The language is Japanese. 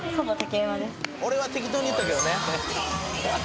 俺は適当に言ったけどね。